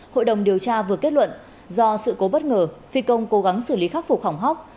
hội đồng điều tra vừa kết luận do sự cố bất ngờ phi công cố gắng xử lý khắc phục hỏng hóc